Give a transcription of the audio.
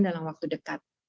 dalam waktu dekat